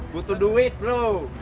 butuh duit bro